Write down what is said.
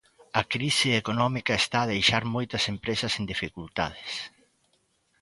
A crise económica está a deixar moitas empresas en dificultades.